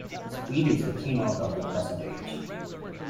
Speed is the keynote of the present age.